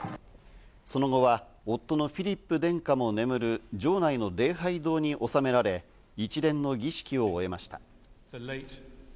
その後は夫のフィリップ殿下も眠る城内の礼拝堂に納められ、一連の儀式を終えました。